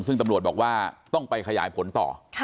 ซึ่งตำรวจบอกว่าต้องไปขยายผลต่อ